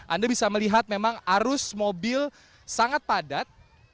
anda bisa melihat memang arus mobil sangat padat